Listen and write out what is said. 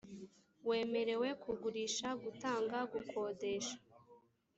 wemerewe kugurisha gutanga gukodesha